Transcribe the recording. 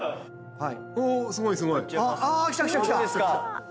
はい。